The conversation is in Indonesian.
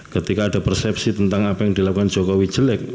ketika ada persepsi tentang apa yang dilakukan jokowi jelek